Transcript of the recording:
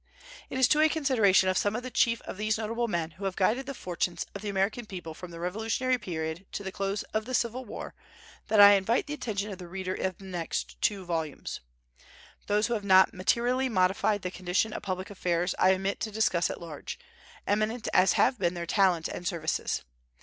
It is to a consideration of some of the chief of these notable men who have guided the fortunes of the American people from the Revolutionary period to the close of the Civil War, that I invite the attention of the reader in the next two volumes. Those who have not materially modified the condition of public affairs I omit to discuss at large, eminent as have been their talents and services.